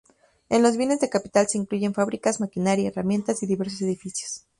En los bienes de capital se incluyen fábricas, maquinaria, herramientas, y diversos edificios.